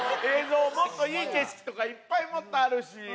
映像もっといい景色とかいっぱいもっとあるし。